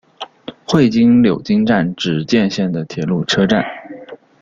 会津柳津站只见线的铁路车站。